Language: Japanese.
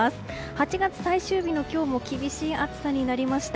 ８月最終日の今日も厳しい暑さになりました。